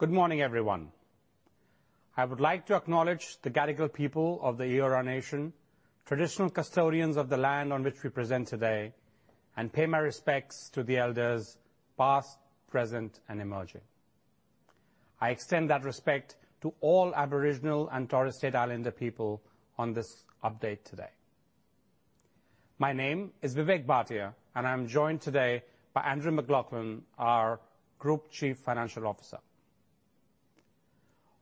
Good morning, everyone. I would like to acknowledge the Gadigal people of the Eora Nation, traditional custodians of the land on which we present today, and pay my respects to the elders, past, present, and emerging. I extend that respect to all Aboriginal and Torres Strait Islander people on this update today. My name is Vivek Bhatia, and I'm joined today by Andrew MacLachlan, our Group Chief Financial Officer.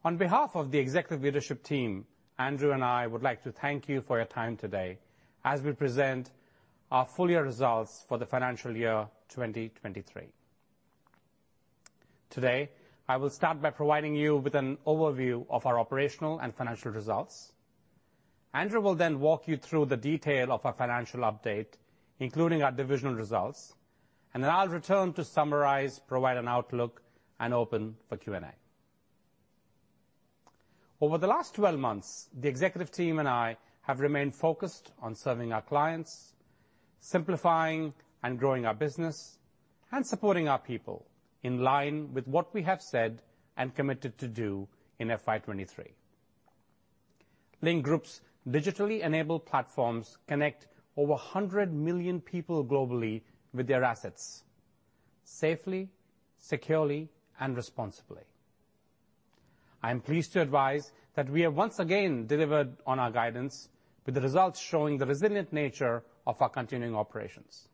On behalf of the executive leadership team, Andrew and I would like to thank you for your time today as we present our full year results for the financial year 2023. Today, I will start by providing you with an overview of our operational and financial results. Andrew will then walk you through the detail of our financial update, including our divisional results, and then I'll return to summarize, provide an outlook, and open for Q&A. Over the last 12 months, the executive team and I have remained focused on serving our clients, simplifying and growing our business, and supporting our people in line with what we have said and committed to do in FY 2023. Link Group's digitally enabled platforms connect over 100 million people globally with their assets safely, securely, and responsibly. I am pleased to advise that we have once again delivered on our guidance, with the results showing the resilient nature of our continuing operations.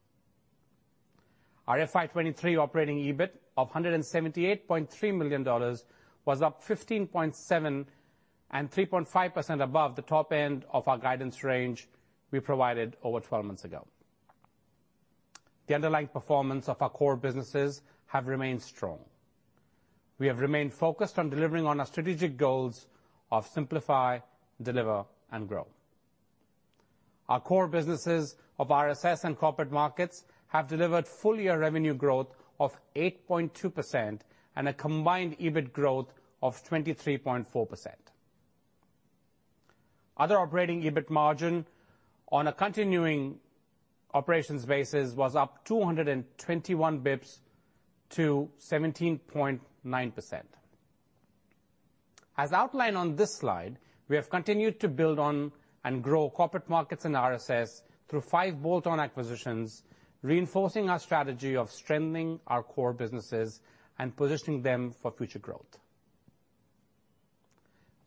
Our FY 2023 operating EBIT of 178.3 million dollars was up 15.7 and 3.5% above the top end of our guidance range we provided over 12 months ago. The underlying performance of our core businesses have remained strong. We have remained focused on delivering on our strategic goals of simplify, deliver, and grow. Our core businesses of RSS and Corporate Markets have delivered full year revenue growth of 8.2% and a combined EBIT growth of 23.4%. Underlying operating EBIT margin on a continuing operations basis was up 221 basis points to 17.9%. As outlined on this slide, we have continued to build on and grow Corporate Markets and RSS through 5 bolt-on acquisitions, reinforcing our strategy of strengthening our core businesses and positioning them for future growth.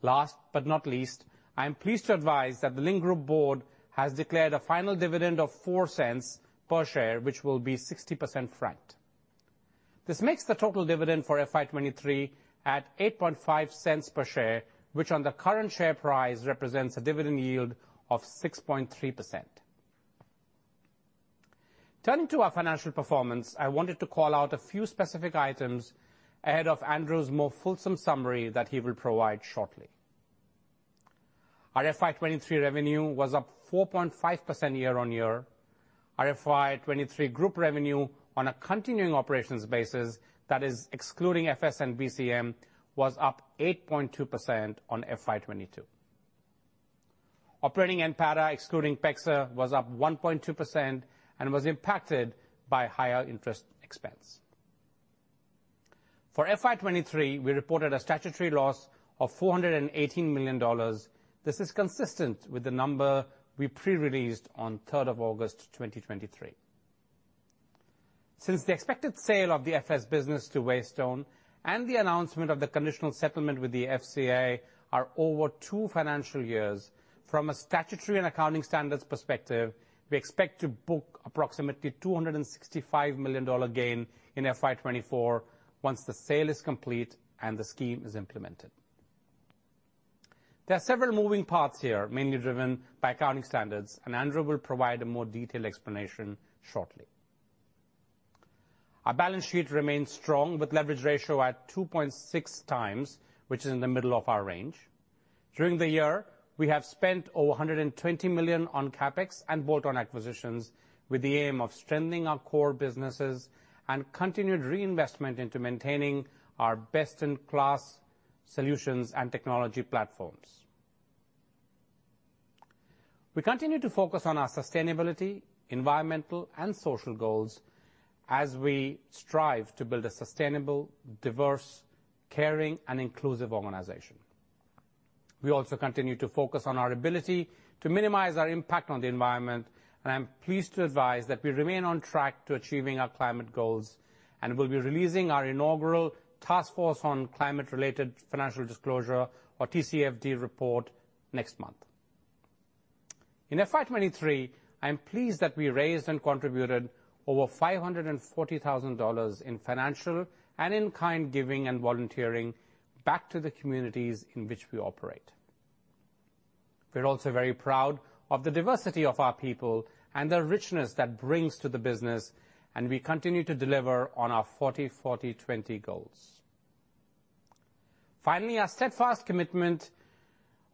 Last but not least, I am pleased to advise that the Link Group board has declared a final dividend of 0.04 per share, which will be 60% franked. This makes the total dividend for FY 2023 at 0.085 per share, which on the current share price represents a dividend yield of 6.3%. Turning to our financial performance, I wanted to call out a few specific items ahead of Andrew's more fulsome summary that he will provide shortly. Our FY 2023 revenue was up 4.5% year-on-year. Our FY 2023 group revenue on a continuing operations basis, that is excluding FS and BCM, was up 8.2% on FY 2022. Operating NPATA, excluding PECSA, was up 1.2% and was impacted by higher interest expense. For FY 2023, we reported a statutory loss of 418 million dollars. This is consistent with the number we pre-released on August 3, 2023. Since the expected sale of the FS business to Waystone and the announcement of the conditional settlement with the FCA are over two financial years, from a statutory and accounting standards perspective, we expect to book approximately 265 million dollar gain in FY 2024 once the sale is complete and the scheme is implemented. There are several moving parts here, mainly driven by accounting standards, and Andrew will provide a more detailed explanation shortly. Our balance sheet remains strong, with leverage ratio at 2.6 times, which is in the middle of our range. During the year, we have spent over 120 million on CapEx and bolt-on acquisitions, with the aim of strengthening our core businesses and continued reinvestment into maintaining our best-in-class solutions and technology platforms. We continue to focus on our sustainability, environmental, and social goals as we strive to build a sustainable, diverse, caring, and inclusive organization. We also continue to focus on our ability to minimize our impact on the environment, and I'm pleased to advise that we remain on track to achieving our climate goals and will be releasing our inaugural Task Force on Climate Related Financial Disclosure, or TCFD report, next month. In FY 2023, I'm pleased that we raised and contributed over 540,000 dollars in financial and in-kind giving and volunteering back to the communities in which we operate. We're also very proud of the diversity of our people and the richness that brings to the business, and we continue to deliver on our 40, 40, 20 goals. Finally, our steadfast commitment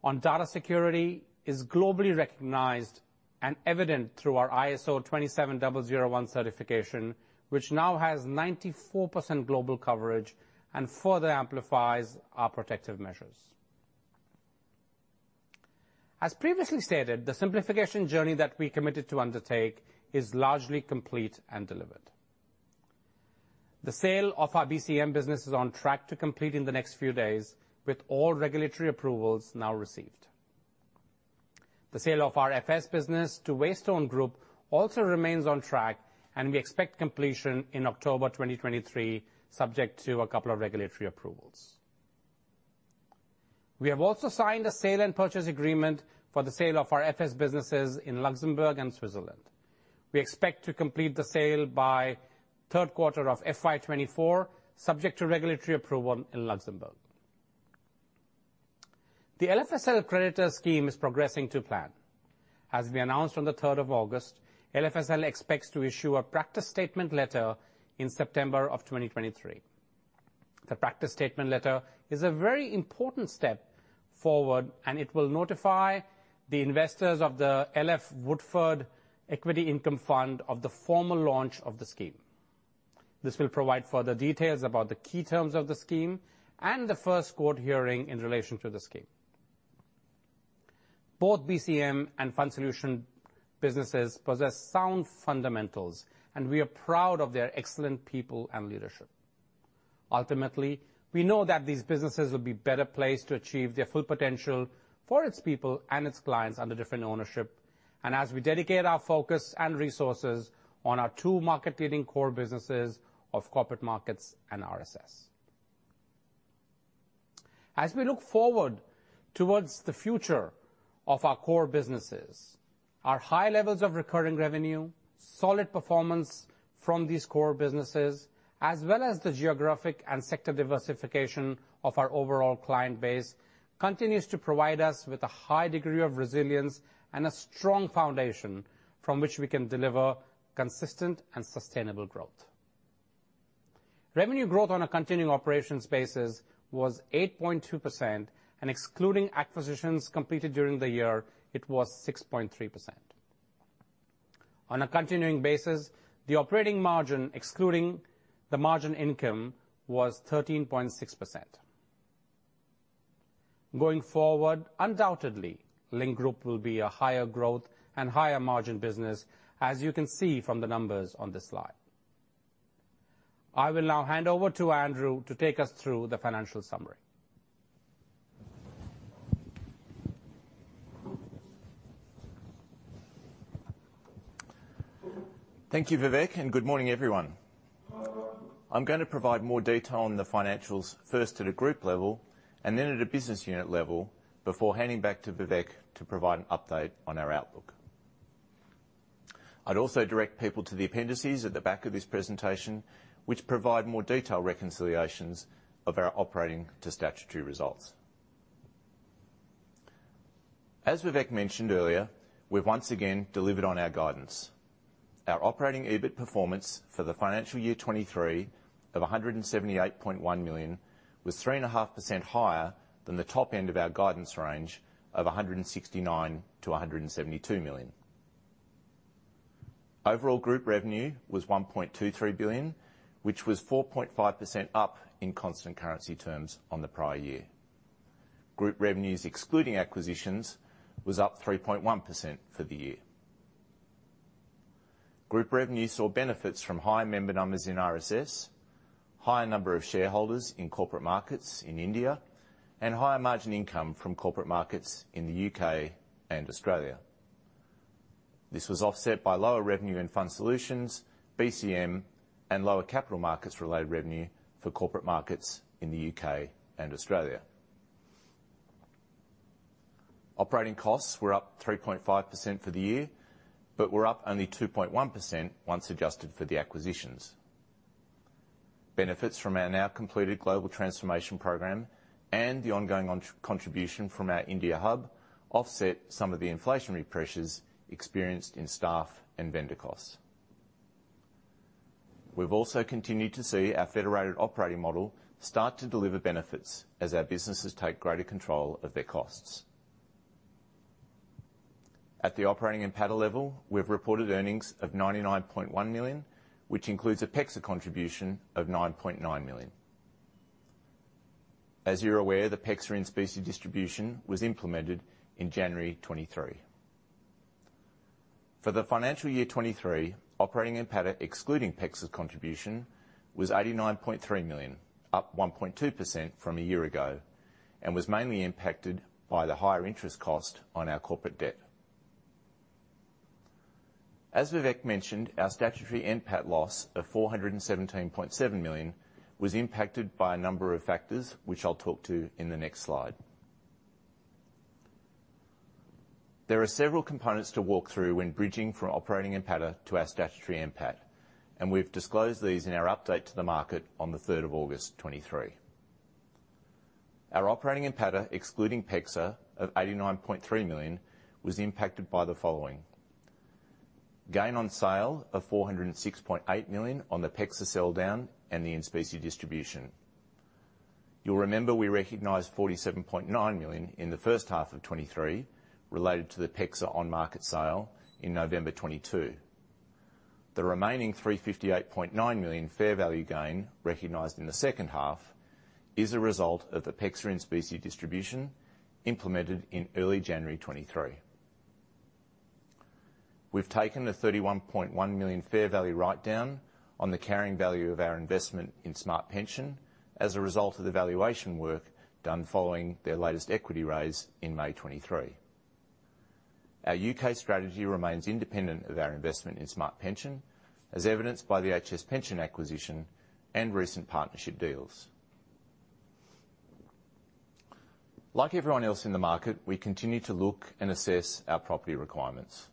on data security is globally recognized and evident through our ISO 27001 certification, which now has 94% global coverage and further amplifies our protective measures. As previously stated, the simplification journey that we committed to undertake is largely complete and delivered. The sale of our BCM business is on track to complete in the next few days, with all regulatory approvals now received. The sale of our FS business to Waystone Group also remains on track, and we expect completion in October 2023, subject to a couple of regulatory approvals. We have also signed a sale and purchase agreement for the sale of our FS businesses in Luxembourg and Switzerland. We expect to complete the sale by third quarter of FY 2024, subject to regulatory approval in Luxembourg. The LFSL creditor scheme is progressing to plan. As we announced on the third of August, LFSL expects to issue a practice statement letter in September of 2023. The practice statement letter is a very important step forward, and it will notify the investors of the LF Woodford Equity Income Fund of the formal launch of the scheme. This will provide further details about the key terms of the scheme and the first court hearing in relation to the scheme. Both BCM and Fund Solutions businesses possess sound fundamentals, and we are proud of their excellent people and leadership. Ultimately, we know that these businesses will be better placed to achieve their full potential for its people and its clients under different ownership, and as we dedicate our focus and resources on our two market-leading core businesses of corporate markets and RSS. As we look forward towards the future of our core businesses, our high levels of recurring revenue, solid performance from these core businesses, as well as the geographic and sector diversification of our overall client base, continues to provide us with a high degree of resilience and a strong foundation from which we can deliver consistent and sustainable growth. Revenue growth on a continuing operations basis was 8.2%, and excluding acquisitions completed during the year, it was 6.3%. On a continuing basis, the operating margin, excluding the margin income, was 13.6%. Going forward, undoubtedly, Link Group will be a higher growth and higher margin business, as you can see from the numbers on this slide. I will now hand over to Andrew to take us through the financial summary. Thank you, Vivek, and good morning, everyone. I'm gonna provide more detail on the financials, first at a group level, and then at a business unit level, before handing back to Vivek to provide an update on our outlook. I'd also direct people to the appendices at the back of this presentation, which provide more detailed reconciliations of our operating to statutory results. As Vivek mentioned earlier, we've once again delivered on our guidance. Our operating EBIT performance for the financial year 2023, of 178.1 million, was 3.5% higher than the top end of our guidance range of 169 million-172 million. Overall, group revenue was 1.23 billion, which was 4.5% up in constant currency terms on the prior year. Group revenues, excluding acquisitions, was up 3.1% for the year. Group revenue saw benefits from higher member numbers in RSS, higher number of shareholders in corporate markets in India, and higher margin income from corporate markets in the UK and Australia. This was offset by lower revenue and Fund Solutions, BCM, and lower capital markets-related revenue for corporate markets in the UK and Australia. Operating costs were up 3.5% for the year, but were up only 2.1% once adjusted for the acquisitions. Benefits from our now completed global transformation program and the ongoing contribution from our India hub offset some of the inflationary pressures experienced in staff and vendor costs. We've also continued to see our federated operating model start to deliver benefits as our businesses take greater control of their costs. At the operating and PAT level, we've reported earnings of 99.1 million, which includes a PEXA contribution of 9.9 million. As you're aware, the PEXA in-specie distribution was implemented in January 2023. For the financial year 2023, operating NPAT, excluding PEXA's contribution, was 89.3 million, up 1.2% from a year ago, and was mainly impacted by the higher interest cost on our corporate debt. As Vivek mentioned, our statutory NPAT loss of 417.7 million was impacted by a number of factors, which I'll talk to in the next slide. There are several components to walk through when bridging from operating NPAT to our statutory NPAT, and we've disclosed these in our update to the market on the third of August, 2023. Our operating NPAT, excluding PEXA, of 89.3 million, was impacted by the following: Gain on sale of 406.8 million on the PEXA sell down and the in-specie distribution. You'll remember we recognized 47.9 million in the first half of 2023 related to the PEXA on-market sale in November 2022.... The remaining 358.9 million fair value gain recognized in the second half is a result of the PEXA in-specie distribution, implemented in early January 2023. We've taken a 31.1 million fair value write-down on the carrying value of our investment in Smart Pension as a result of the valuation work done following their latest equity raise in May 2023. Our UK strategy remains independent of our investment in Smart Pension, as evidenced by the HS Pensions acquisition and recent partnership deals. Like everyone else in the market, we continue to look and assess our property requirements.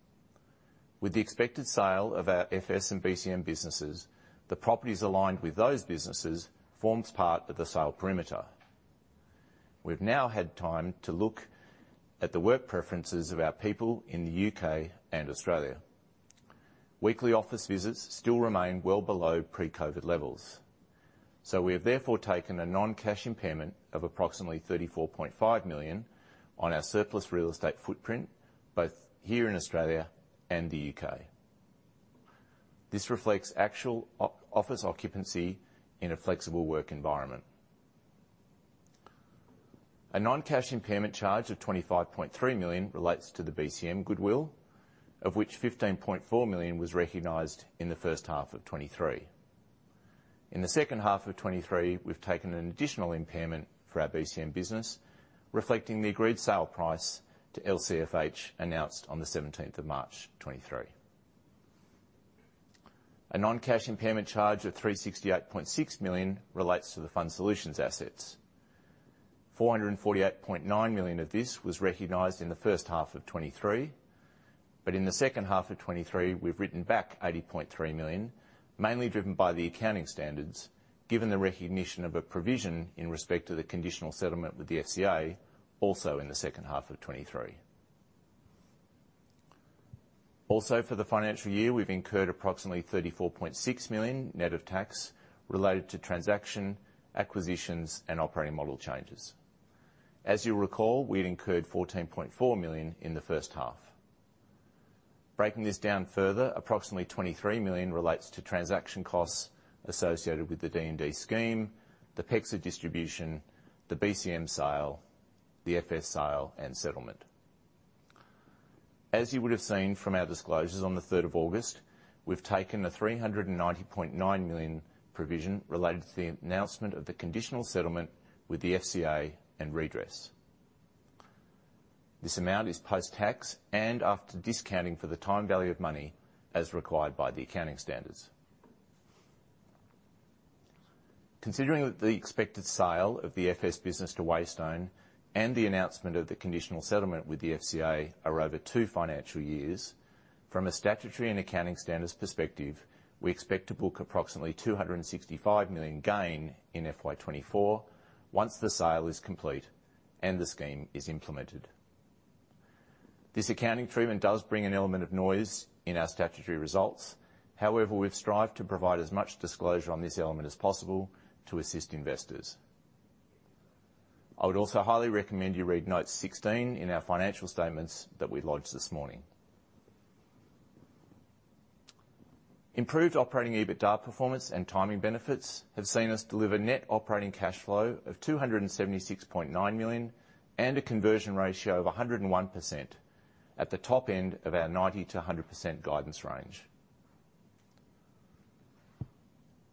With the expected sale of our FS and BCM businesses, the properties aligned with those businesses forms part of the sale perimeter. We've now had time to look at the work preferences of our people in the UK and Australia. Weekly office visits still remain well below pre-COVID levels, so we have therefore taken a non-cash impairment of approximately 34.5 million on our surplus real estate footprint, both here in Australia and the UK. This reflects actual office occupancy in a flexible work environment. A non-cash impairment charge of 25.3 million relates to the BCM goodwill, of which 15.4 million was recognized in the first half of 2023. In the second half of 2023, we've taken an additional impairment for our BCM business, reflecting the agreed sale price to LCFH, announced on the 17th of March 2023. A non-cash impairment charge of 368.6 million relates to the fund solutions assets. 448.9 million of this was recognized in the first half of 2023, but in the second half of 2023, we've written back 80.3 million, mainly driven by the accounting standards, given the recognition of a provision in respect to the conditional settlement with the FCA, also in the second half of 2023. Also, for the financial year, we've incurred approximately 34.6 million, net of tax, related to transaction, acquisitions, and operating model changes. As you'll recall, we'd incurred 14.4 million in the first half. Breaking this down further, approximately 23 million relates to transaction costs associated with the D&D Scheme, the PEXA distribution, the BCM sale, the FS sale, and settlement. As you would've seen from our disclosures on the 3rd of August, we've taken a 390.9 million provision related to the announcement of the conditional settlement with the FCA and redress. This amount is post-tax and after discounting for the time value of money, as required by the accounting standards. Considering that the expected sale of the FS business to Waystone and the announcement of the conditional settlement with the FCA are over two financial years, from a statutory and accounting standards perspective, we expect to book approximately 265 million gain in FY 2024, once the sale is complete and the scheme is implemented. This accounting treatment does bring an element of noise in our statutory results, however, we've strived to provide as much disclosure on this element as possible to assist investors. I would also highly recommend you read note 16 in our financial statements that we lodged this morning. Improved operating EBITDA performance and timing benefits have seen us deliver net operating cash flow of 276.9 million, and a conversion ratio of 101%, at the top end of our 90%-100% guidance range.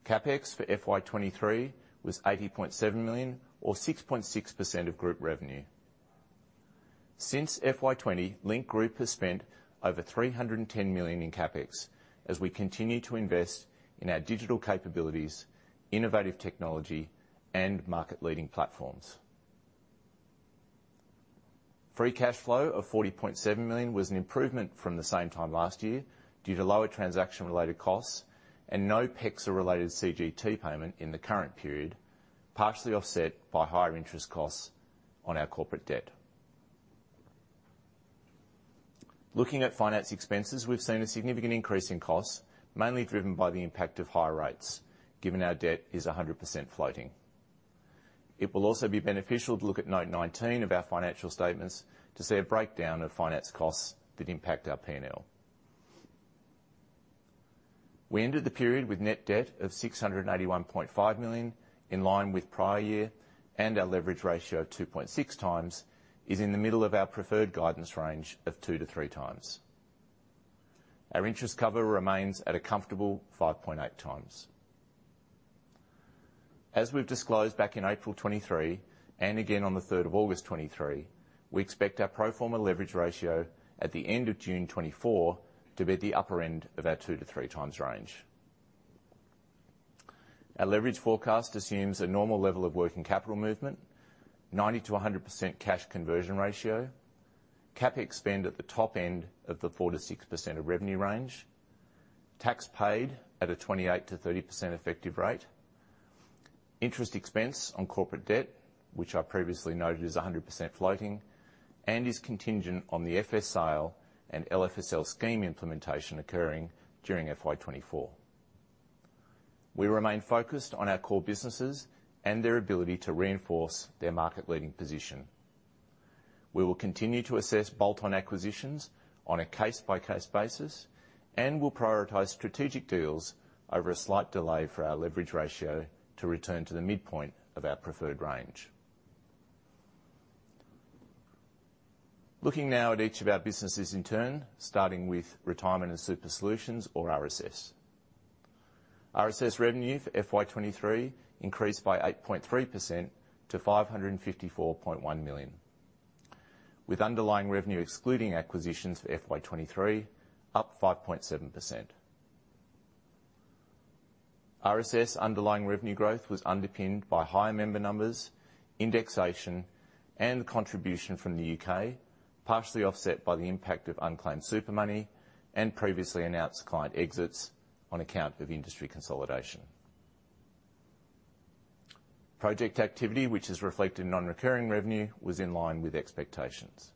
CapEx for FY 2023 was 80.7 million, or 6.6% of group revenue. Since FY 2020, Link Group has spent over 310 million in CapEx, as we continue to invest in our digital capabilities, innovative technology, and market-leading platforms. Free cash flow of 40.7 million was an improvement from the same time last year, due to lower transaction-related costs and no PEXA-related CGT payment in the current period, partially offset by higher interest costs on our corporate debt. Looking at finance expenses, we've seen a significant increase in costs, mainly driven by the impact of higher rates, given our debt is 100% floating. It will also be beneficial to look at note 19 of our financial statements to see a breakdown of finance costs that impact our P&L. We ended the period with net debt of 681.5 million, in line with prior year, and our leverage ratio of 2.6 times is in the middle of our preferred guidance range of 2-3 times. Our interest cover remains at a comfortable 5.8 times. As we've disclosed back in April 2023, and again on the 3rd of August 2023, we expect our pro forma leverage ratio at the end of June 2024 to be at the upper end of our 2-3 times range. Our leverage forecast assumes a normal level of working capital movement, 90%-100% cash conversion ratio, CapEx spend at the top end of the 4%-6% of revenue range, tax paid at a 28%-30% effective rate, interest expense on corporate debt, which I previously noted is 100% floating, and is contingent on the FS sale and LFSL scheme implementation occurring during FY 2024.... We remain focused on our core businesses and their ability to reinforce their market-leading position. We will continue to assess bolt-on acquisitions on a case-by-case basis, and we'll prioritize strategic deals over a slight delay for our leverage ratio to return to the midpoint of our preferred range. Looking now at each of our businesses in turn, starting with Retirement and Super Solutions, or RSS. RSS revenue for FY 2023 increased by 8.3% to 554.1 million, with underlying revenue excluding acquisitions for FY 2023, up 5.7%. RSS underlying revenue growth was underpinned by higher member numbers, indexation, and contribution from the UK, partially offset by the impact of unclaimed super money and previously announced client exits on account of industry consolidation. Project activity, which is reflected in non-recurring revenue, was in line with expectations.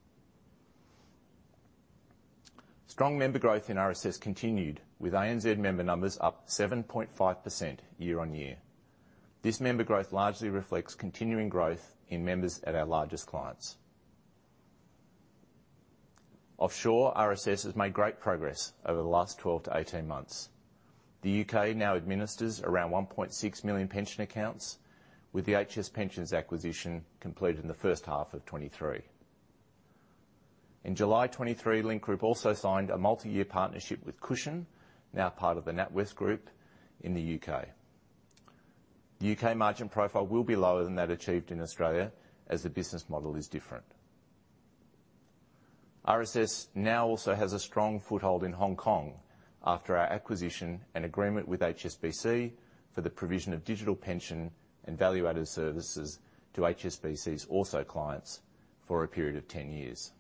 Strong member growth in RSS continued, with ANZ member numbers up 7.5% year-on-year. This member growth largely reflects continuing growth in members at our largest clients. Offshore, RSS has made great progress over the last 12-18 months. The UK now administers around 1.6 million pension accounts, with the HS Pensions acquisition completed in the first half of 2023. In July 2023, Link Group also signed a multi-year partnership with Cushon, now part of the NatWest Group, in the UK. The UK margin profile will be lower than that achieved in Australia, as the business model is different. RSS now also has a strong foothold in Hong Kong after our acquisition and agreement with HSBC for the provision of digital pension services to HSBC's Also clients for a period of 10 years.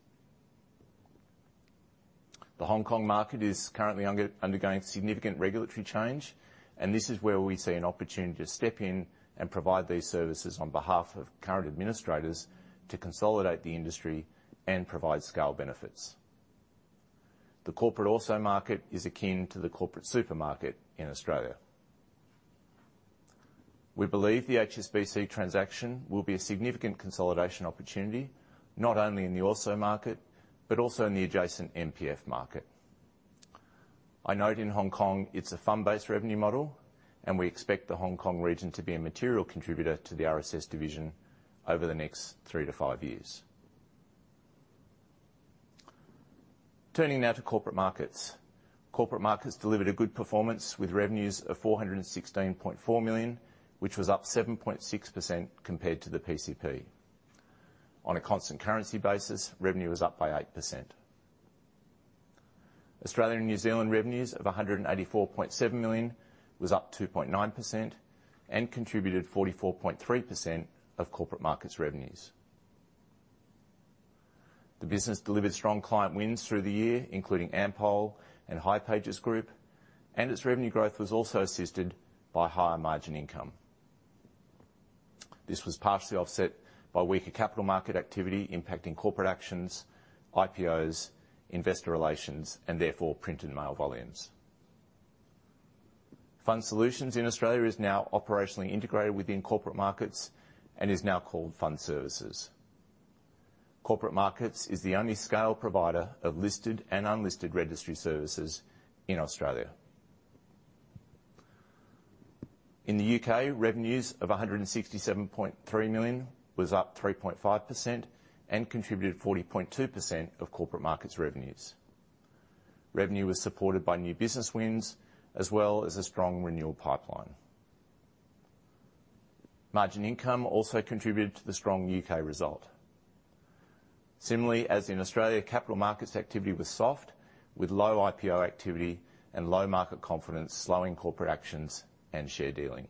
The Hong Kong market is currently undergoing significant regulatory change, and this is where we see an opportunity to step in and provide these services on behalf of current administrators to consolidate the industry and provide scale benefits. The corporate ORSO market is akin to the corporate super market in Australia. We believe the HSBC transaction will be a significant consolidation opportunity, not only in the ORSO market, but also in the adjacent MPF market. I note in Hong Kong, it's a fund-based revenue model, and we expect the Hong Kong region to be a material contributor to the RSS division over the next 3-5 years. Turning now to corporate markets. Corporate markets delivered a good performance with revenues of 416.4 million, which was up 7.6% compared to the PCP. On a constant currency basis, revenue was up by 8%. Australia and New Zealand revenues of 184.7 million was up 2.9% and contributed 44.3% of corporate markets' revenues. The business delivered strong client wins through the year, including Ampol and hipages Group, and its revenue growth was also assisted by higher margin income. This was partially offset by weaker capital market activity impacting corporate actions, IPOs, investor relations, and therefore printed mail volumes. Fund Solutions in Australia is now operationally integrated within corporate markets and is now called Fund Services. Corporate Markets is the only scale provider of listed and unlisted registry services in Australia. In the UK, revenues of 167.3 million was up 3.5% and contributed 40.2% of corporate markets' revenues. Revenue was supported by new business wins, as well as a strong renewal pipeline. Margin income also contributed to the strong UK result. Similarly, as in Australia, capital markets activity was soft, with low IPO activity and low market confidence, slowing corporate actions and share dealing.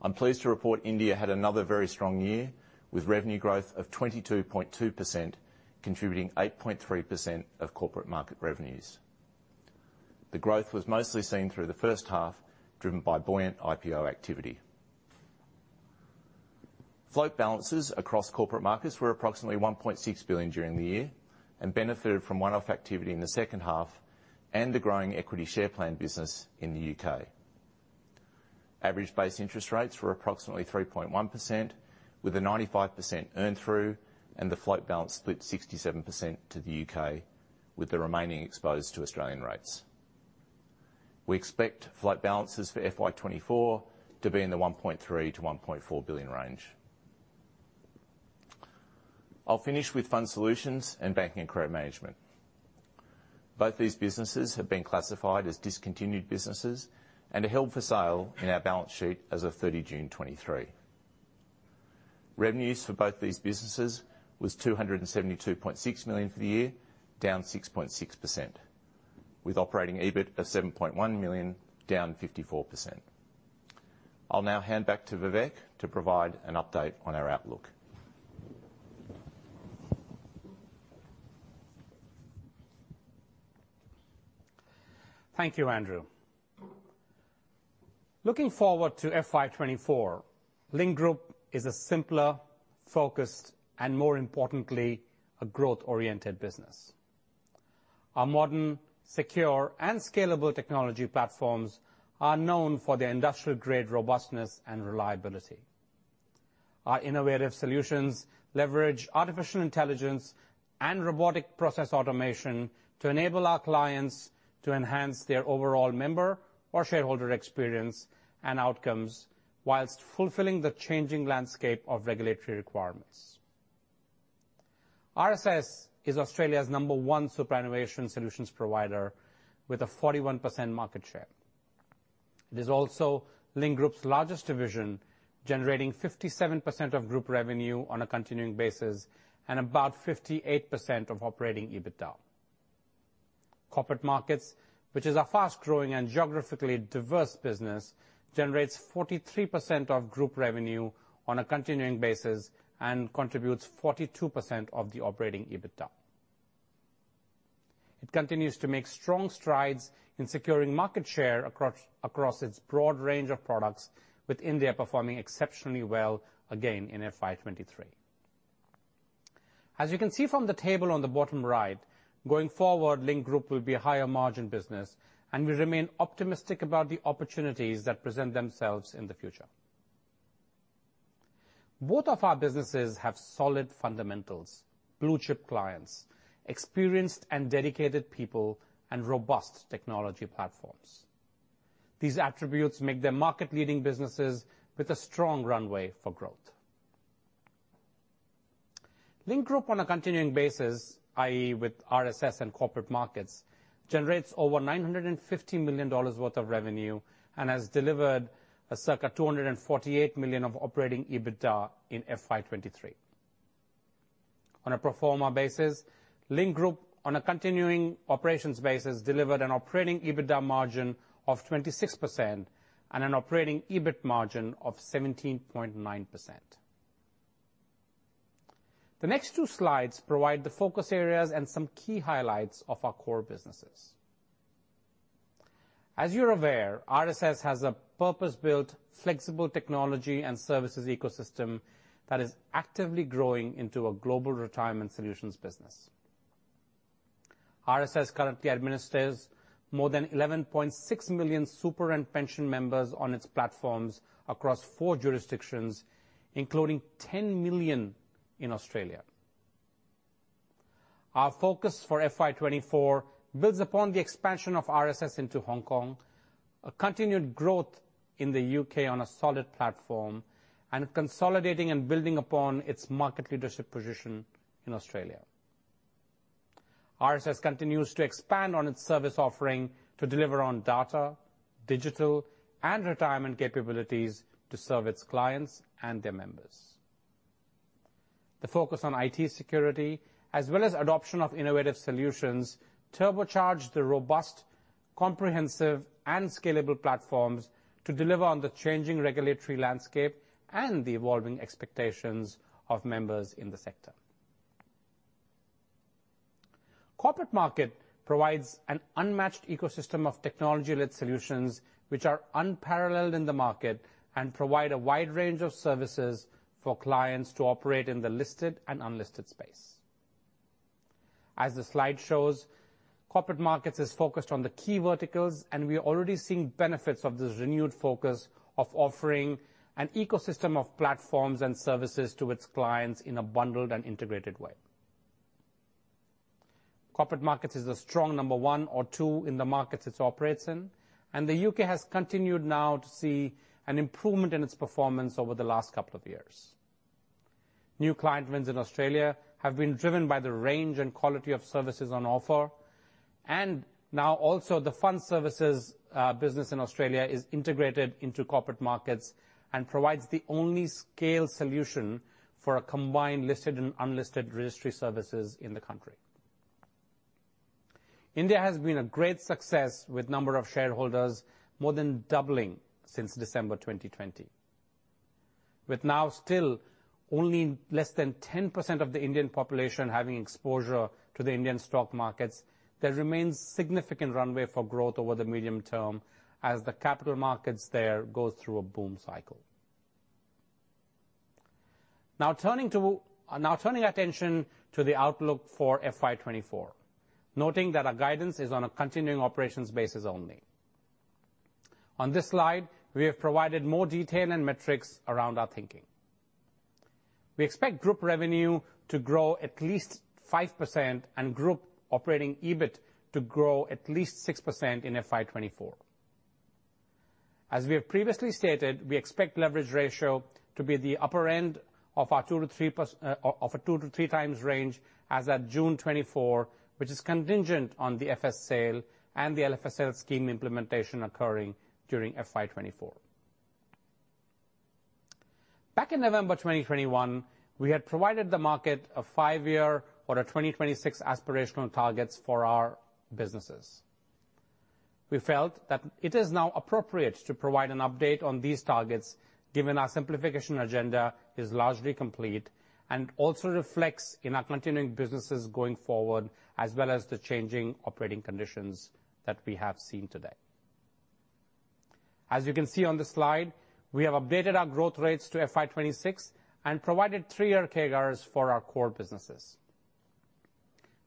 I'm pleased to report India had another very strong year, with revenue growth of 22.2%, contributing 8.3% of corporate market revenues. The growth was mostly seen through the first half, driven by buoyant IPO activity. Float balances across corporate markets were approximately 1.6 billion during the year and benefited from one-off activity in the second half and the growing equity share plan business in the UK. Average base interest rates were approximately 3.1%, with a 95% earn through and the float balance split 67% to the UK, with the remaining exposed to Australian rates. We expect float balances for FY 2024 to be in the 1.3 billion-1.4 billion range. I'll finish with Fund Solutions and Banking and Credit Management. Both these businesses have been classified as discontinued businesses and are held for sale in our balance sheet as of 30 June 2023. Revenues for both these businesses was 272.6 million for the year, down 6.6%, with operating EBIT of 7.1 million, down 54%. I'll now hand back to Vivek to provide an update on our outlook. Thank you, Andrew. Looking forward to FY 2024, Link Group is a simpler, focused, and more importantly, a growth-oriented business. Our modern, secure, and scalable technology platforms are known for their industrial-grade robustness and reliability. Our innovative solutions leverage artificial intelligence and robotic process automation to enable our clients to enhance their overall member or shareholder experience and outcomes, while fulfilling the changing landscape of regulatory requirements. RSS is Australia's number one superannuation solutions provider with a 41% market share. It is also Link Group's largest division, generating 57% of group revenue on a continuing basis and about 58% of operating EBITDA. Corporate Markets, which is a fast-growing and geographically diverse business, generates 43% of group revenue on a continuing basis and contributes 42% of the operating EBITDA. It continues to make strong strides in securing market share across its broad range of products, with India performing exceptionally well again in FY 2023. As you can see from the table on the bottom right, going forward, Link Group will be a higher margin business, and we remain optimistic about the opportunities that present themselves in the future. Both of our businesses have solid fundamentals, blue-chip clients, experienced and dedicated people, and robust technology platforms. These attributes make them market-leading businesses with a strong runway for growth. Link Group on a continuing basis, i.e., with RSS and Corporate Markets, generates over 950 million dollars worth of revenue and has delivered a circa 248 million of operating EBITDA in FY 2023. On a pro forma basis, Link Group, on a continuing operations basis, delivered an operating EBITDA margin of 26% and an operating EBIT margin of 17.9%. The next two slides provide the focus areas and some key highlights of our core businesses. As you're aware, RSS has a purpose-built, flexible technology and services ecosystem that is actively growing into a global retirement solutions business. RSS currently administers more than 11.6 million super and pension members on its platforms across four jurisdictions, including 10 million in Australia. Our focus for FY 2024 builds upon the expansion of RSS into Hong Kong, a continued growth in the UK on a solid platform, and consolidating and building upon its market leadership position in Australia. RSS continues to expand on its service offering to deliver on data, digital, and retirement capabilities to serve its clients and their members. The focus on IT security, as well as adoption of innovative solutions, turbocharge the robust, comprehensive, and scalable platforms to deliver on the changing regulatory landscape and the evolving expectations of members in the sector. Corporate Markets provides an unmatched ecosystem of technology-led solutions, which are unparalleled in the market and provide a wide range of services for clients to operate in the listed and unlisted space. As the slide shows, Corporate Markets is focused on the key verticals, and we are already seeing benefits of this renewed focus of offering an ecosystem of platforms and services to its clients in a bundled and integrated way. Corporate Markets is a strong number one or two in the markets it operates in, and the UK has continued now to see an improvement in its performance over the last couple of years. New client wins in Australia have been driven by the range and quality of services on offer, and now also the fund services business in Australia is integrated into Corporate Markets and provides the only scale solution for a combined listed and unlisted registry services in the country. India has been a great success, with number of shareholders more than doubling since December 2020. With now still only less than 10% of the Indian population having exposure to the Indian stock markets, there remains significant runway for growth over the medium term as the capital markets there go through a boom cycle. Now turning attention to the outlook for FY 2024, noting that our guidance is on a continuing operations basis only. On this slide, we have provided more detail and metrics around our thinking. We expect group revenue to grow at least 5% and group operating EBIT to grow at least 6% in FY 2024. As we have previously stated, we expect leverage ratio to be at the upper end of our 2-3+, of a 2-3 times range as at June 2024, which is contingent on the FS sale and the LFS sale scheme implementation occurring during FY 2024. Back in November 2021, we had provided the market a 5-year or a 2026 aspirational targets for our businesses. We felt that it is now appropriate to provide an update on these targets, given our simplification agenda is largely complete, and also reflects in our continuing businesses going forward, as well as the changing operating conditions that we have seen today. As you can see on the slide, we have updated our growth rates to FY 2026 and provided three-year CAGRs for our core businesses.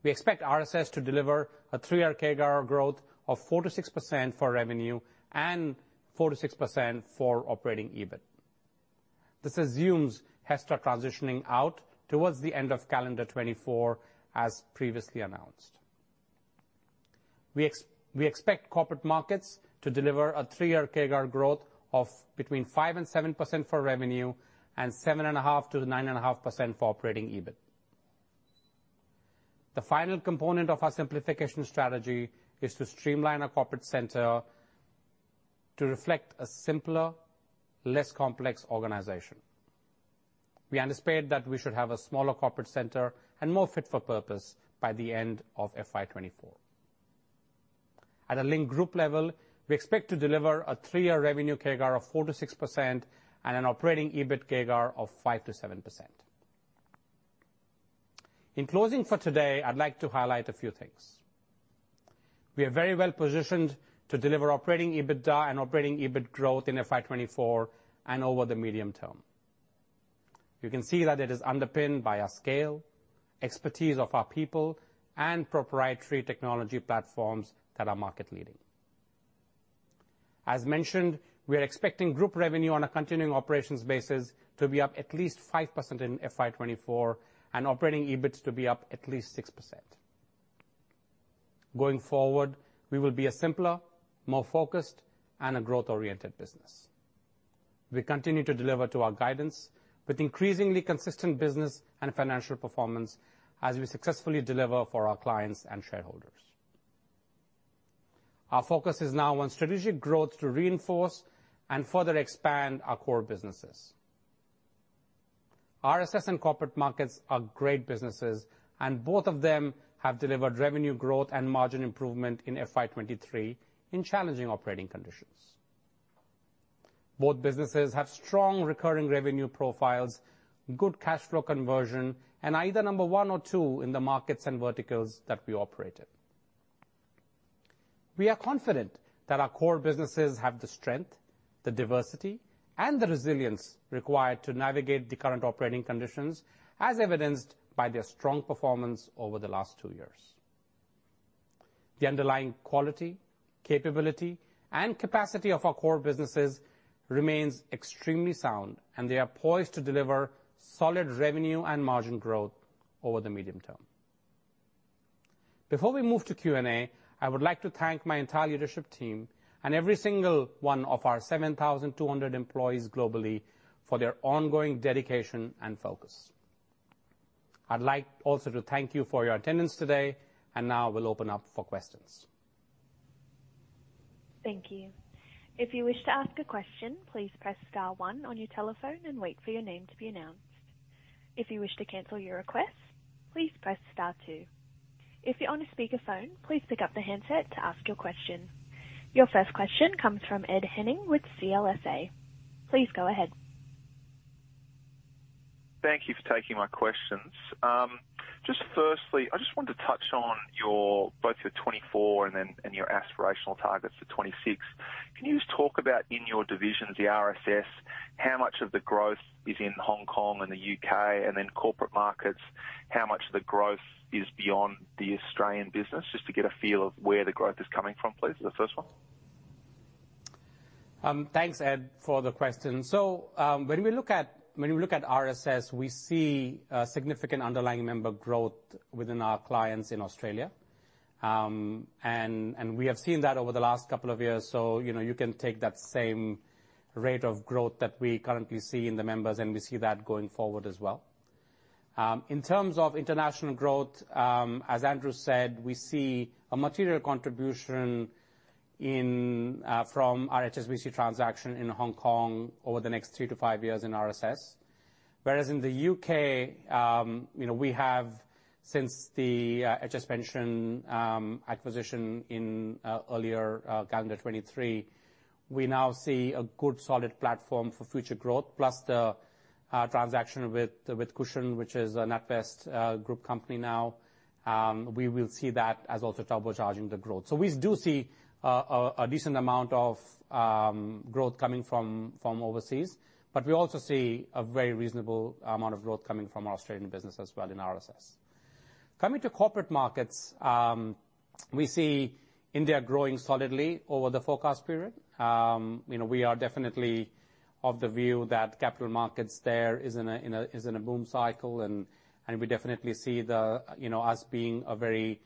We expect RSS to deliver a three-year CAGR growth of 4%-6% for revenue and 4%-6% for operating EBIT. This assumes HESTA transitioning out towards the end of calendar 2024, as previously announced. We expect corporate markets to deliver a three-year CAGR growth of between 5% and 7% for revenue and 7.5%-9.5% for operating EBIT. The final component of our simplification strategy is to streamline our corporate center to reflect a simpler, less complex organization. We anticipate that we should have a smaller corporate center and more fit for purpose by the end of FY 2024. At a Link Group level, we expect to deliver a 3-year revenue CAGR of 4%-6% and an operating EBIT CAGR of 5%-7%. In closing for today, I'd like to highlight a few things. We are very well positioned to deliver operating EBITDA and operating EBIT growth in FY 2024 and over the medium term. You can see that it is underpinned by our scale, expertise of our people, and proprietary technology platforms that are market leading. As mentioned, we are expecting group revenue on a continuing operations basis to be up at least 5% in FY 2024, and operating EBIT to be up at least 6%. Going forward, we will be a simpler, more focused, and a growth-oriented business. We continue to deliver to our guidance with increasingly consistent business and financial performance as we successfully deliver for our clients and shareholders. Our focus is now on strategic growth to reinforce and further expand our core businesses. RSS and corporate markets are great businesses, and both of them have delivered revenue growth and margin improvement in FY 2023 in challenging operating conditions. Both businesses have strong recurring revenue profiles, good cash flow conversion, and either number 1 or 2 in the markets and verticals that we operate in. We are confident that our core businesses have the strength, the diversity, and the resilience required to navigate the current operating conditions, as evidenced by their strong performance over the last two years. The underlying quality, capability, and capacity of our core businesses remains extremely sound, and they are poised to deliver solid revenue and margin growth over the medium term. Before we move to Q&A, I would like to thank my entire leadership team and every single one of our 7,200 employees globally for their ongoing dedication and focus. I'd like also to thank you for your attendance today, and now we'll open up for questions. Thank you. If you wish to ask a question, please press star one on your telephone and wait for your name to be announced. If you wish to cancel your request, please press star two. If you're on a speakerphone, please pick up the handset to ask your question. Your first question comes from Ed Henning with CLSA. Please go ahead. Thank you for taking my questions. Just firstly, I just wanted to touch on your, both your 2024 and then, and your aspirational targets for 2026. Can you just talk about in your divisions, the RSS, how much of the growth is in Hong Kong and the UK, and then corporate markets, how much of the growth is beyond the Australian business? Just to get a feel of where the growth is coming from, please, the first one. Thanks, Ed, for the question. So, when we look at RSS, we see a significant underlying member growth within our clients in Australia. And we have seen that over the last couple of years. So, you know, you can take that same rate of growth that we currently see in the members, and we see that going forward as well. In terms of international growth, as Andrew said, we see a material contribution from our HSBC transaction in Hong Kong over the next 3-5 years in RSS. Whereas in the UK, you know, we have since the, I just mentioned, acquisition in earlier calendar 2023, we now see a good, solid platform for future growth, plus the transaction with Cushion, which is a NatWest Group company now. We will see that as also turbocharging the growth. So we do see a decent amount of growth coming from overseas, but we also see a very reasonable amount of growth coming from our Australian business as well in RSS. Coming to corporate markets, we see India growing solidly over the forecast period. You know, we are definitely of the view that capital markets there is in a boom cycle, and we definitely see the, you know, us being a very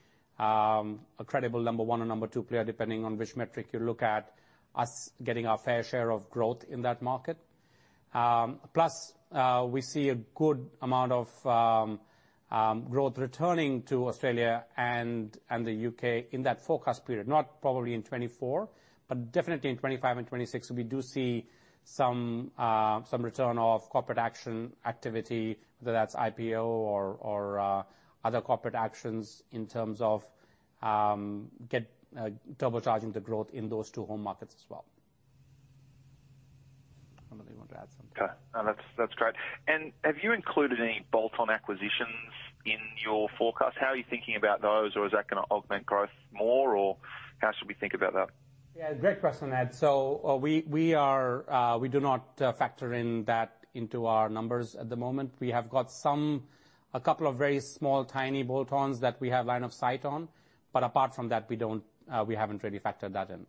credible number one or number two player, depending on which metric you look at, us getting our fair share of growth in that market. Plus, we see a good amount of growth returning to Australia and the UK in that forecast period. Not probably in 2024, but definitely in 2025 and 2026, we do see some return of corporate action activity, whether that's IPO or other corporate actions in terms of turbocharging the growth in those two home markets as well.... Okay. No, that's, that's great. And have you included any bolt-on acquisitions in your forecast? How are you thinking about those, or is that gonna augment growth more, or how should we think about that? Yeah, great question, Ed. So, we are, we do not factor that into our numbers at the moment. We have got some, a couple of very small, tiny bolt-ons that we have line of sight on, but apart from that, we don't, we haven't really factored that in.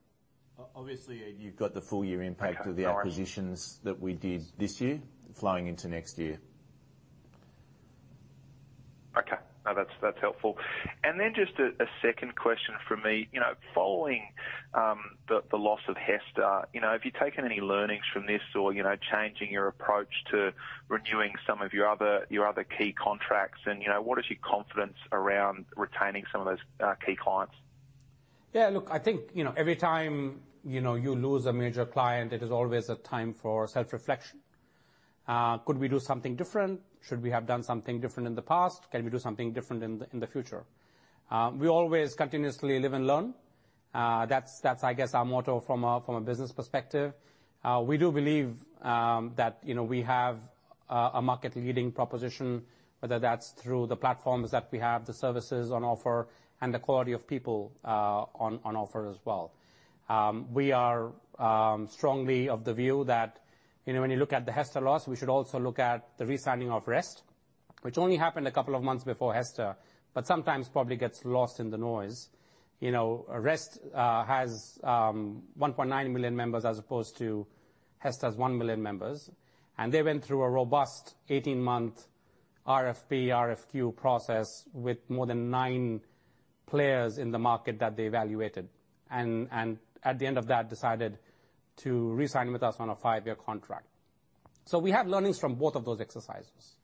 Obviously, Ed, you've got the full year impact of the acquisitions that we did this year flowing into next year. Okay. No, that's, that's helpful. And then just a second question from me. You know, following the loss of HESTA, you know, have you taken any learnings from this or, you know, changing your approach to renewing some of your other key contracts? And, you know, what is your confidence around retaining some of those key clients? Yeah, look, I think, you know, every time, you know, you lose a major client, it is always a time for self-reflection. Could we do something different? Should we have done something different in the past? Can we do something different in the future? We always continuously live and learn. That's, that's, I guess, our motto from a business perspective. We do believe that, you know, we have a market-leading proposition, whether that's through the platforms that we have, the services on offer, and the quality of people on offer as well. We are strongly of the view that, you know, when you look at the HESTA loss, we should also look at the re-signing of REST, which only happened a couple of months before HESTA, but sometimes probably gets lost in the noise. You know, REST has 1.9 million members as opposed to HESTA's 1 million members, and they went through a robust 18-month RFP, RFQ process with more than 9 players in the market that they evaluated and, and at the end of that, decided to re-sign with us on a five-year contract. So we have learnings from both of those exercises,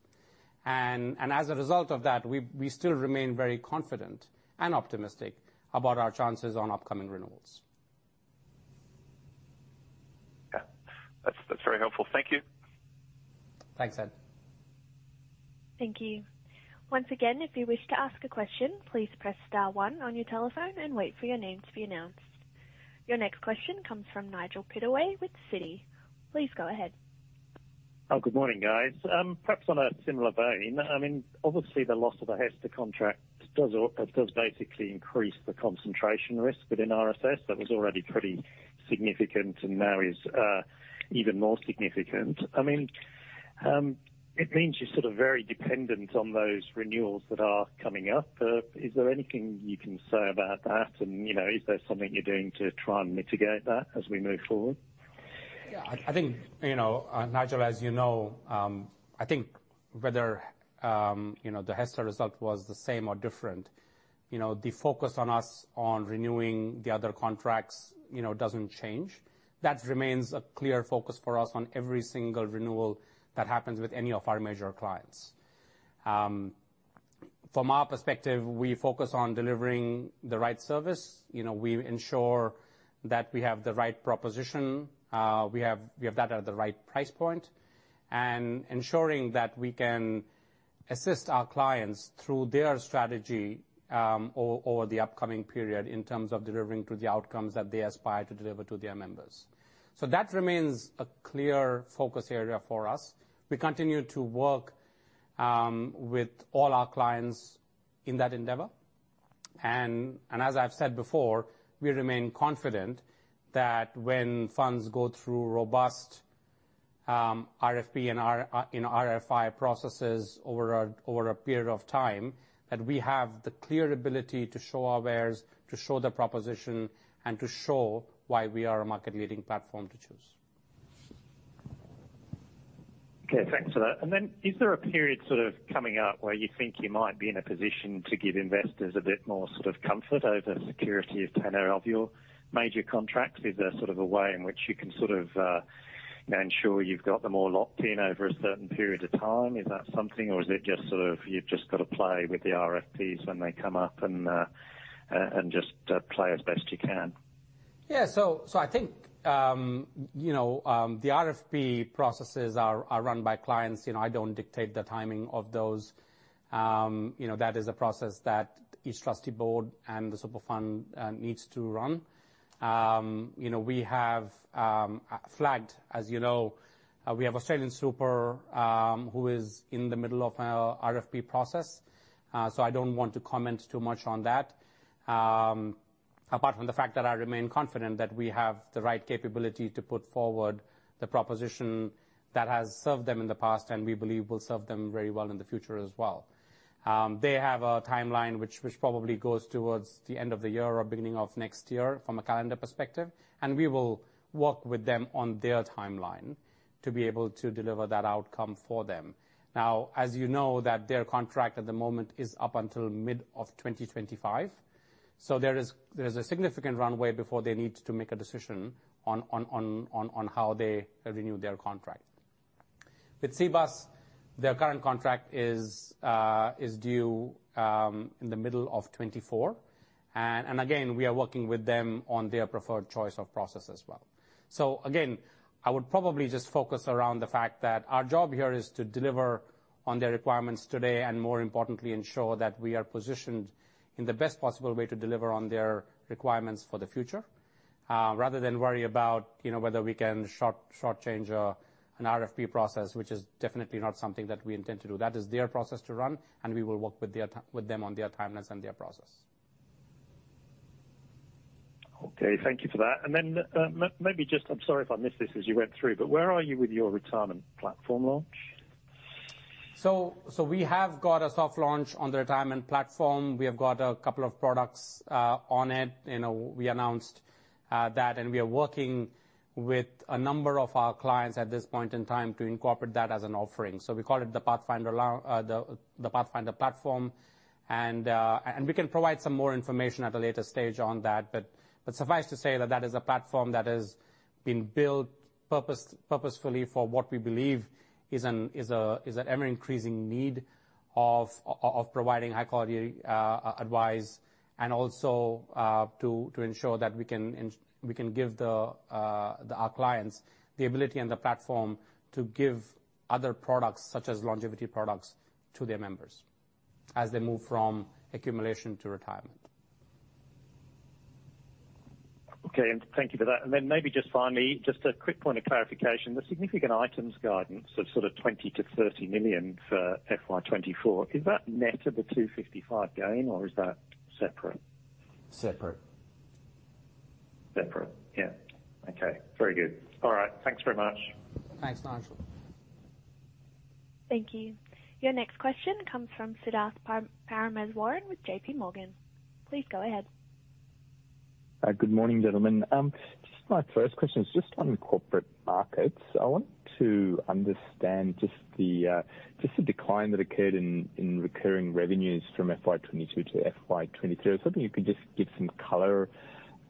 and, and as a result of that, we, we still remain very confident and optimistic about our chances on upcoming renewals. Yeah, that's, that's very helpful. Thank you. Thanks, Ed. Thank you. Once again, if you wish to ask a question, please press star one on your telephone and wait for your name to be announced. Your next question comes from Nigel Pittaway with Citi. Please go ahead. Oh, good morning, guys. Perhaps on a similar vein, I mean, obviously, the loss of a HESTA contract does. It does basically increase the concentration risk within RSS. That was already pretty significant and now is even more significant. I mean, it means you're sort of very dependent on those renewals that are coming up. Is there anything you can say about that? And, you know, is there something you're doing to try and mitigate that as we move forward? Yeah, I think, you know, Nigel, as you know, I think whether, you know, the HESTA result was the same or different, you know, the focus on us on renewing the other contracts, you know, doesn't change. That remains a clear focus for us on every single renewal that happens with any of our major clients. From our perspective, we focus on delivering the right service. You know, we ensure that we have the right proposition, we have that at the right price point, and ensuring that we can assist our clients through their strategy, over the upcoming period in terms of delivering to the outcomes that they aspire to deliver to their members. So that remains a clear focus area for us. We continue to work with all our clients in that endeavor. As I've said before, we remain confident that when funds go through robust RFP and RFI processes over a period of time, that we have the clear ability to show our wares, to show the proposition, and to show why we are a market-leading platform to choose. Okay, thanks for that. And then, is there a period sort of coming up where you think you might be in a position to give investors a bit more sort of comfort over security of 10 of your major contracts? Is there sort of a way in which you can sort of ensure you've got them all locked in over a certain period of time? Is that something, or is it just sort of you've just got to play with the RFPs when they come up and, and just play as best you can? Yeah, so I think, you know, the RFP processes are run by clients. You know, I don't dictate the timing of those. You know, that is a process that each trustee board and the super fund needs to run. You know, we have flagged, as you know, we have AustralianSuper, who is in the middle of an RFP process, so I don't want to comment too much on that. Apart from the fact that I remain confident that we have the right capability to put forward the proposition that has served them in the past, and we believe will serve them very well in the future as well. They have a timeline which probably goes towards the end of the year or beginning of next year from a calendar perspective, and we will work with them on their timeline to be able to deliver that outcome for them. Now, as you know, that their contract at the moment is up until mid-2025, so there is a significant runway before they need to make a decision on how they renew their contract. With Cbus, their current contract is due in the middle of 2024. And again, we are working with them on their preferred choice of process as well. So again, I would probably just focus around the fact that our job here is to deliver on their requirements today, and more importantly, ensure that we are positioned in the best possible way to deliver on their requirements for the future... rather than worry about, you know, whether we can shortchange an RFP process, which is definitely not something that we intend to do. That is their process to run, and we will work with them on their timelines and their process. Okay, thank you for that. And then, maybe just... I'm sorry if I missed this as you went through, but where are you with your retirement platform launch? So we have got a soft launch on the retirement platform. We have got a couple of products on it. You know, we announced that, and we are working with a number of our clients at this point in time to incorporate that as an offering. So we call it the Pathfinder platform. And we can provide some more information at a later stage on that, but suffice to say that that is a platform that has been built purposefully for what we believe is an ever-increasing need of providing high-quality advice, and also to ensure that we can give our clients the ability and the platform to give other products, such as longevity products, to their members as they move from accumulation to retirement. Okay, and thank you for that. Then maybe just finally, just a quick point of clarification. The significant items guidance of sort of 20 million-30 million for FY 2024, is that net of the 255 million gain or is that separate? Separate. Separate, yeah. Okay, very good. All right, thanks very much. Thanks, Nigel. Thank you. Your next question comes from Siddharth Parameswaran with JP Morgan. Please go ahead. Good morning, gentlemen. Just my first question is just on Corporate Markets. I want to understand just the decline that occurred in recurring revenues from FY 2022 to FY 2023. I was hoping you could just give some color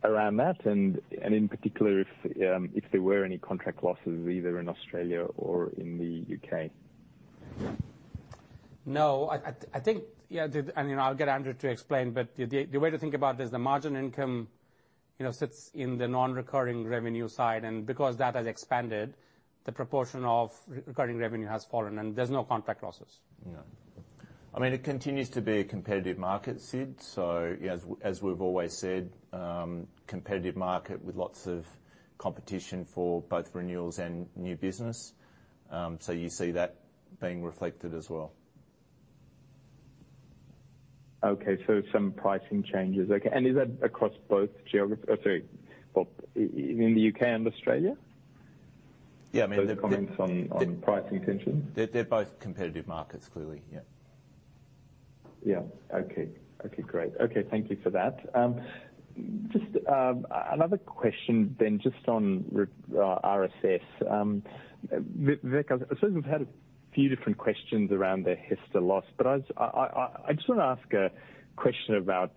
around that, and in particular, if there were any contract losses, either in Australia or in the UK. No, I think, yeah, the... And, you know, I'll get Andrew to explain, but the way to think about this, the margin income, you know, sits in the non-recurring revenue side, and because that has expanded, the proportion of recurring revenue has fallen, and there's no contract losses. No. I mean, it continues to be a competitive market, Sid. So as we've always said, competitive market with lots of competition for both renewals and new business. So you see that being reflected as well. Okay, so some pricing changes. Okay, and is that across both geographies... Oh, sorry, well, in the UK and Australia? Yeah, I mean- Those comments on price intentions. They're both competitive markets, clearly. Yeah. Yeah. Okay. Okay, great. Okay, thank you for that. Just another question then, just on RSS. Vivek, I've sort of had a few different questions around the HESTA loss, but I just want to ask a question about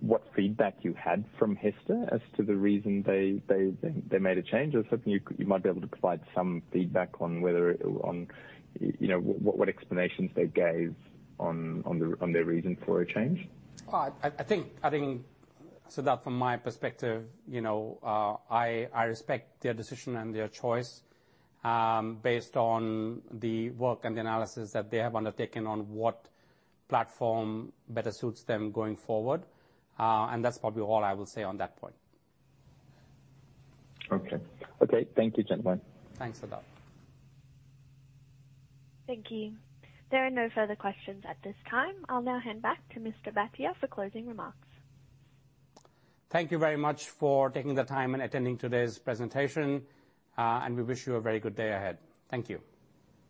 what feedback you had from HESTA as to the reason they made a change. I was hoping you might be able to provide some feedback on whether it... On, you know, what explanations they gave on their reason for a change. I think, Siddharth, from my perspective, you know, I respect their decision and their choice, based on the work and analysis that they have undertaken on what platform better suits them going forward. And that's probably all I will say on that point. Okay. Okay, thank you, gentlemen. Thanks, Siddharth. Thank you. There are no further questions at this time. I'll now hand back to Mr. Bhatia for closing remarks. Thank you very much for taking the time and attending today's presentation, and we wish you a very good day ahead. Thank you.